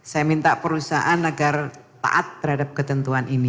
saya minta perusahaan agar taat terhadap ketentuan ini